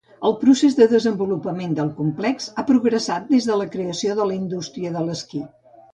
El procés de desenvolupament del complex ha progressat des de la creació de la indústria de l'esquí.